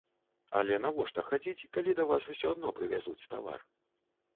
Але навошта хадзіць, калі да вас усё адно прывязуць тавар?